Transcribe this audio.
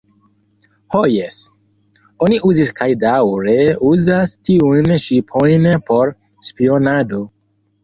Ho jes, oni uzis kaj daŭre uzas tiujn ŝipojn por spionado.